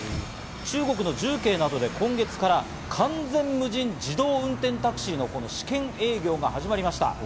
中国の重慶などで今月から完全無人な自動運転タクシーの試験営業が始まりました。